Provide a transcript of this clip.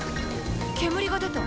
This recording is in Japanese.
煙が出た。